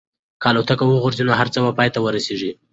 که الوتکه وغورځي نو هر څه به پای ته ورسېږي.